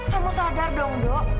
kamu sadar dong dok